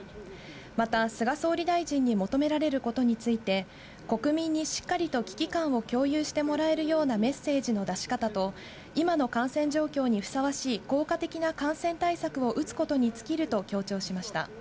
また、菅総理大臣に求められることについて、国民にしっかりと危機感を共有してもらえるようなメッセージの出し方と、今の感染状況にふさわしい効果的な感染対策を打つことに尽きると強調しました。